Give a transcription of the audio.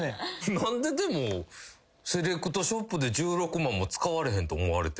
何ででもセレクトショップで１６万も使われへんと思われてんの？